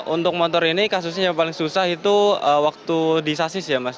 untuk motor ini kasusnya yang paling susah itu waktu di sasis ya mas